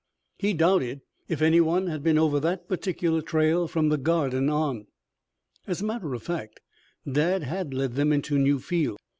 He doubted if any one had been over that particular trail from the Garden on. As a matter of fact, Dad had led them into new fields.